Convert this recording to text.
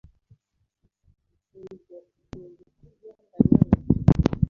urugero singusize ndanyarutse